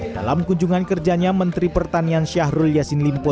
dalam kunjungan kerjanya menteri pertanian syahrul yassin limpo